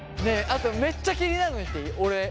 あとめっちゃ気になるの言っていい？